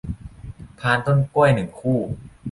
พานต้นกล้วย หนึ่ง คู่